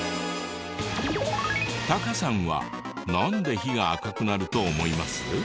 タカさんはなんで火が赤くなると思います？